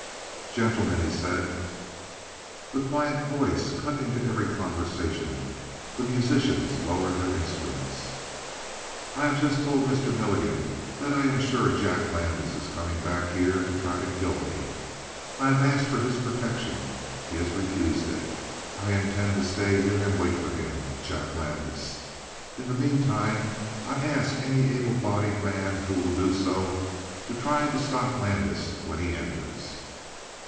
"Gentlemen," he said. The quiet voice cut into every conversation; the musicians lowered the instruments. "I have just told Mr. Milligan that I am sure Jack Landis is coming back here to try to kill me. I have asked for his protection. He has refused it. I intend to stay here and wait for him, Jack Landis. In the meantime I ask any able bodied man who will do so, to try to stop Landis when he enters."